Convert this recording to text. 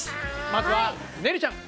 まずはねるちゃん